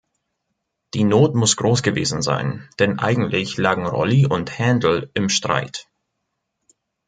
Die Not muss groß gewesen sein, denn eigentlich lagen Rolli und Händel im Streit.